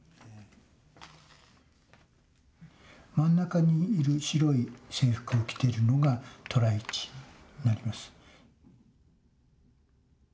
真ん中にいる白い制服を着ているのが寅一になります。